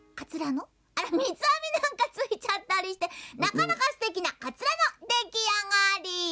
みつあみなんかついちゃったりしてなかなかすてきなかつらのできあがり！